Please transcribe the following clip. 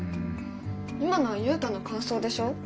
今のはユウタの感想でしょ。